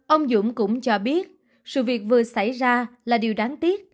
ông dũng cũng cho biết sự việc vừa xảy ra là điều đáng tiếc